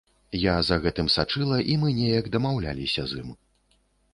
Я за гэтым сачыла і мы неяк дамаўляліся з ім.